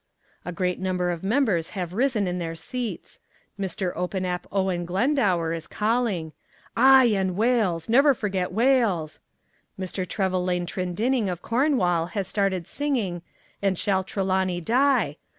A great number of members have risen in their seats. Mr. Open Ap Owen Glendower is calling: "Aye and Wales! never forget Wales." Mr. Trevelyan Trendinning of Cornwall has started singing "And shall Trelawney Die?"